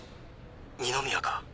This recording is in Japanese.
二宮か？